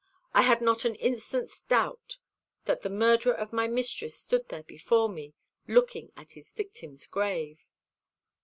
I had not an instant's doubt that the murderer of my mistress stood there before me, looking at his victim's grave."